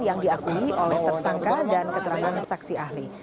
yang diakui oleh tersangka dan keterangan saksi ahli